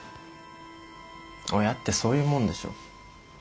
親ってそういうもんでしょ。